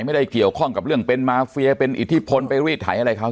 ไม่ได้เกี่ยวข้องกับเรื่องเป็นมาเฟียเป็นอิทธิพลไปรีดไถอะไรเขา